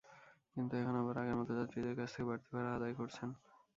কিন্তু এখন আবার আগের মতো যাত্রীদের কাছ থেকে বাড়তি ভাড়া আদায় করছেন।